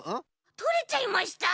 とれちゃいました。